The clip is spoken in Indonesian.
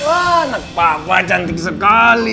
anak papa cantik sekali